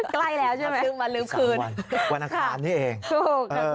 ใกล้แล้วใช่ไหมวันอาคารนี่เองครับคือมันลืมคืน